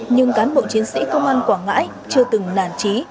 nhưng cán bộ chiến sĩ công an quảng ngãi chưa từng nản trí